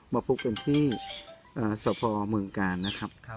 มาพบกันที่เอ่อสภอเมืองกาลนะครับครับ